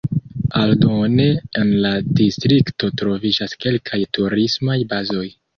Aldone en la distrikto troviĝas kelkaj turismaj bazoj.